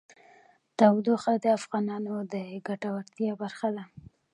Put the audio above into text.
تودوخه د افغانانو د ګټورتیا برخه ده.